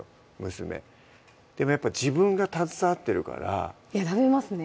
娘でもやっぱ自分が携わってるから食べますね